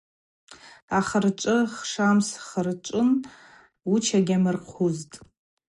Ахырчӏвы хшамсс хырчӏвын, уча гьазымхъузтӏ.